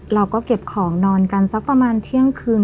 เราก็เก็บของนอนกันสักประมาณเที่ยงคืน